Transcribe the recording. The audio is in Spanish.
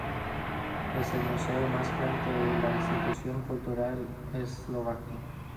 Es el museo más grande y la institución cultural en Eslovaquia.